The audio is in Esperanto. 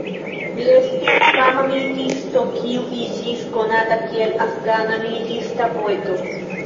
Li estis fama militisto kiu iĝis konata kiel "Afgana militista poeto".